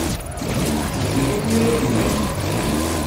Eg-it akken ay ak-nniɣ.